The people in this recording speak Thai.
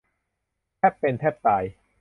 แทบเป็นแทบตาย